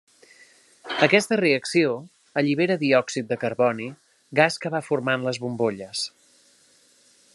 Aquesta reacció allibera diòxid de carboni, gas que va formant les bombolles.